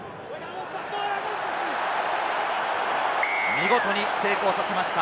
見事に成功させました。